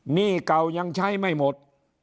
หนี้เก่ายังใช้ไม่หมด